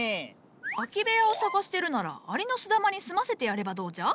空き部屋を探してるならアリノスダマに住ませてやればどうじゃ？